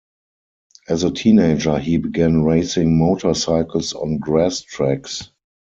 As a teenager, he began racing motorcycles on grass tracks.